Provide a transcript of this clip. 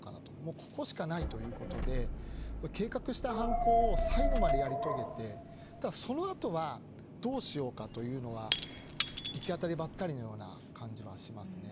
ここしかないということで計画した犯行を最後までやり遂げてただ、その後はどうしようかというのは行き当たりばったりのような感じはしますね。